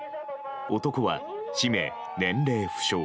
男は氏名、年齢不詳。